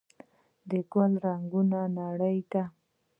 ګل د رنګونو نړۍ ده.